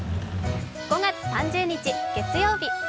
５月３０日月曜日。